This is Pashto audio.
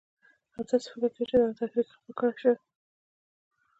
او داسې فکر کېده چې دا تحریک خفه کړی شو.